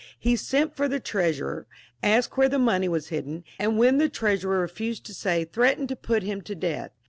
He sent for the Treasurer, asked where the money was hidden, and when the Treasurer refused to say, threatened to put him to death.